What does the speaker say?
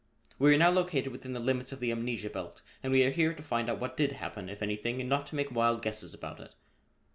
We are now located within the limits of the amnesia belt and we are here to find out what did happen, if anything, and not to make wild guesses about it.